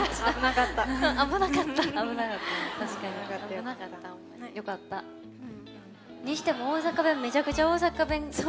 危なかった。にしても、めちゃくちゃ大阪弁。